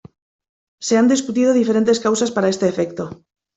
Se han discutido diferentes causas para este efecto.